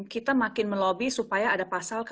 kita makin melobi supaya ada pasal